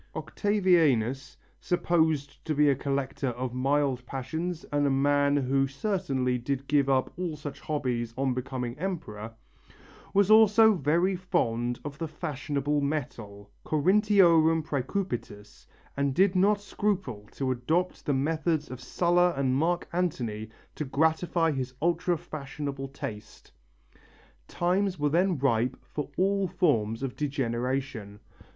Octavianus, supposed to be a collector of mild passions and a man who certainly did give up all such hobbies on becoming emperor, was also very fond of the fashionable metal corinthiorum præcupidus and did not scruple to adopt the methods of Sulla and Mark Antony to gratify his ultra fashionable taste. Times were then ripe for all forms of degeneration.